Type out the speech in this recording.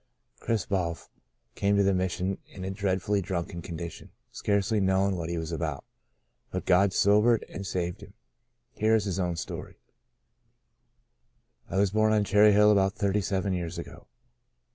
Chris Balf came to the Mission in a dreadfully drunken condition, scarcely knowing what he was about. But God sobered and saved him. Here is his own story :" I was born on Cherry Hill about thirty seven years ago.